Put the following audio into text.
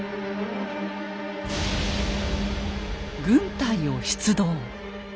軍隊を出動。